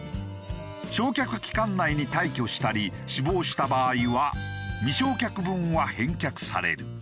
償却期間内に退去したり死亡した場合は未償却分は返却される。